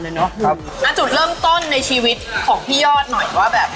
ณจุดเริ่มต้นในชีวิตของพี่ยอดหน่อยว่าแบบ